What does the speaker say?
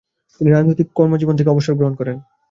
তিনি রাজনৈতিক কর্মজীবন থেকে অবসর গ্রহণ করেন।